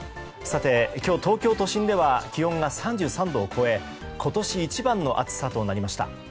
今日、東京都心では気温が３３度を超え今年一番の暑さとなりました。